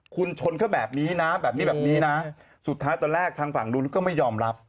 คุณชนแบบนี้นะสุดท้ายตอนแรกทางฝั่งรุนก็ไม่ยอมรับ